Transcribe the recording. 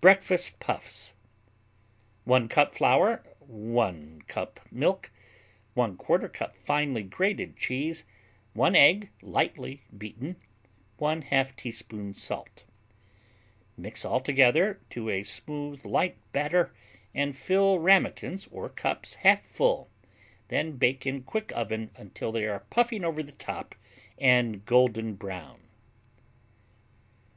Breakfast Puffs 1 cup flour 1 cup milk 1/4 cup finely grated cheese 1 egg, lightly beaten 1/2 teaspoon salt Mix all together to a smooth, light batter and fill ramekins or cups half full; then bake in quick oven until they are puffing over the top and golden brown.